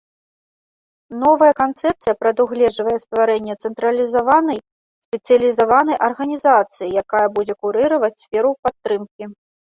Новая канцэпцыя прадугледжвае стварэнне цэнтралізаванай спецыялізаванай арганізацыі, якая будзе курыраваць сферу падтрымкі.